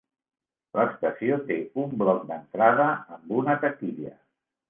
L'estació té un bloc d'entrada amb una taquilla.